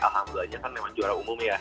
alhamdulillah nya kan memang juara umum ya